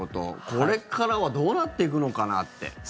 これからはどうなっていくのかなって。